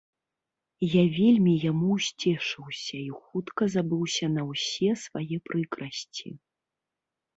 Я вельмі яму ўсцешыўся і хутка забыўся на ўсе свае прыкрасці.